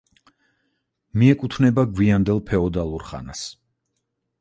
მიეკუთვნება გვიანდელ ფეოდალურ ხანას.